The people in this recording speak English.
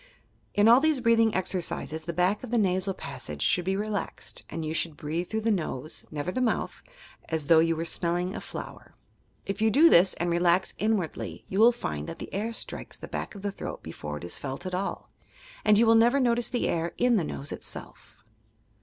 In all these breathing exercises, the back of the nasal passage should be relaxed, and you should breathe through the nose (never the mouth) as though you were smelling a flower. If you do this and relax inwardly, you will find that the air strikes the back of the throat before it is felt at all, and you will never notice the air in the nose itself.